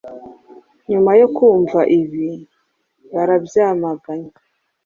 Nyuma yo kumva ibi, barabyamaganye